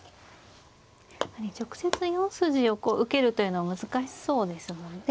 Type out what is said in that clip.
直接４筋を受けるというのは難しそうですもんね。